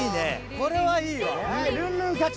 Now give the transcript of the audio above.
これはいいわ。